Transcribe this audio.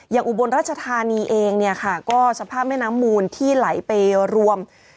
อุบลราชธานีเองเนี่ยค่ะก็สภาพแม่น้ำมูลที่ไหลไปรวม